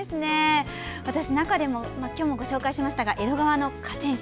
私、中でも今日もご紹介しましたが江戸川の河川敷。